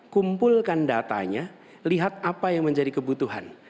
kumpulkan datanya lihat apa yang menjadi kebutuhan